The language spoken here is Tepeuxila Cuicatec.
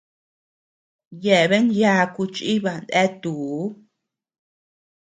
Yebean yaaku chíba neatuu.